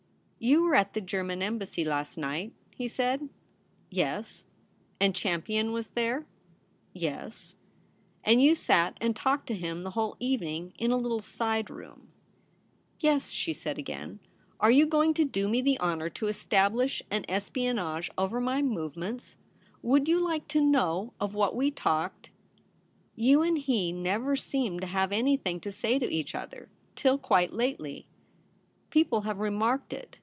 *You were at the German Embassy last night ?' he said. 'Yes.' ' And Champion was there ?'' Yes.' * And you sat and talked to him the whole evening, in a little side room.' * Yes,' she said again. ' Are you going to do me the honour to establish an espionage over my movements ? Would you like to know of what we talked ?'' You and he never seemed to have any thing to say to each other — till quite lately. People have remarked it.